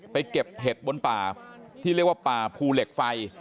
เก็บเห็ดบนป่าที่เรียกว่าป่าภูเหล็กไฟ